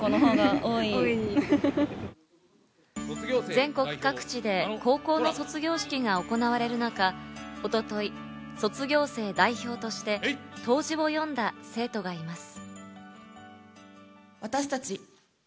全国各地で高校の卒業式が行われる中、一昨日、卒業生代表として答辞を読んだ生徒がいます。